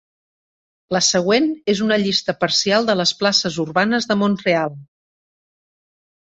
La següent és una llista parcial de les places urbanes de Montreal.